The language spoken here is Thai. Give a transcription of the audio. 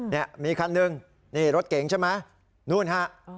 นี่มีคันหนึ่งนี่รถเก๋งใช่ไหมนู่นฮะ